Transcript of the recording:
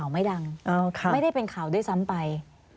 ไม่ได้เป็นข่าวด้วยซ้ำไป